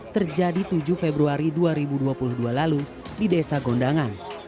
terjadi tujuh februari dua ribu dua puluh dua lalu di desa gondangan